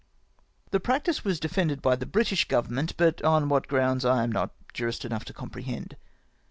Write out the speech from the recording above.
65 The practice was defended by the British Govern ment, but on what grounds I am not jurist enough to comprehend.